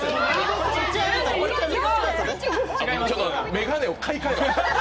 眼鏡を買いかえろ！